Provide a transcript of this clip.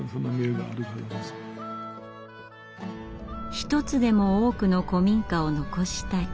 一つでも多くの古民家を残したい。